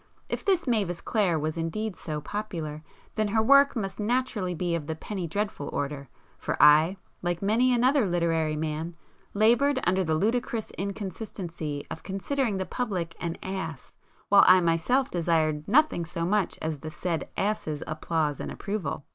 If this Mavis Clare was indeed so 'popular,' then her work must naturally be of the 'penny dreadful' order, for I, like many another literary man, laboured under the ludicrous inconsistency of considering the public an 'ass' while I myself desired nothing so much as the said 'ass's' applause and approval!